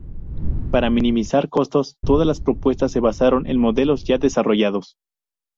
Para minimizar costos, todas las propuestas se basaron en modelos ya desarrollados.